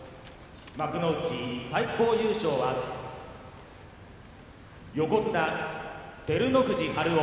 幕内最高優勝は横綱照ノ富士春雄。